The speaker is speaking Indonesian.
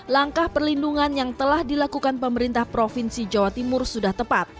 langkah perlindungan yang telah dilakukan pemerintah provinsi jawa timur sudah tepat